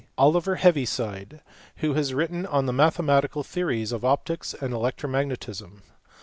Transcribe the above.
Oliver Heaviside, who has written on the mathematical theories of optics and electromagnetism.